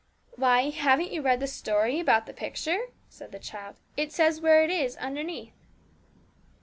'Why, haven't you read the story about the picture?' said the child. 'It says where it is underneath.'